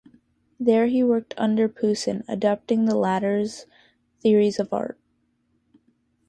There he worked under Poussin, adapting the latter's theories of art.